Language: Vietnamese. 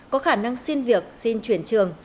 có khả năng xin việc xin chuyển trường